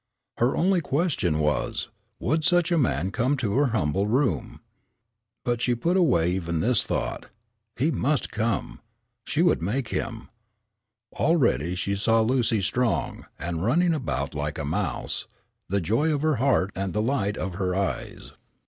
Her only question was, would such a man come to her humble room. But she put away even this thought. He must come. She would make him. Already she saw Lucy strong, and running about like a mouse, the joy of her heart and the light of her eyes.